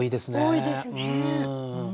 多いですね。